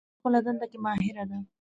زما خور په خپله دنده کې ماهره ده